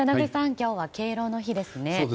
今日は敬老の日ですね。